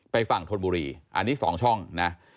ฝั่งธนบุรีอันนี้๒ช่องนะ